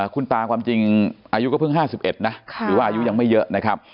คุณตาความจริงอายุก็เพิ่ง๕๑นะหรือว่าอายุยังไม่เยอะนะครับ